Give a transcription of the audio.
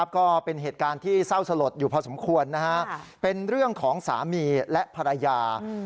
ก็เป็นเหตุการณ์ที่เศร้าสลดอยู่พอสมควรเป็นเรื่องของสามีและภรรยา